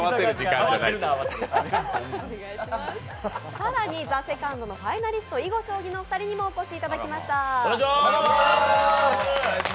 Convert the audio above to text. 更に「ＴＨＥＳＥＣＯＮＤ」のファイナリスト・囲碁将棋のお二人にもお越しいただきました。